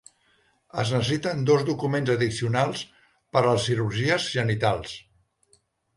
Es necessiten dos documents addicionals per a les cirurgies genitals.